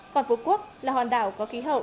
còn phú quốc là hòn đảo có khí hậu